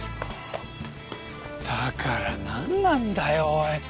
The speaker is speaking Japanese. だからなんなんだよおい。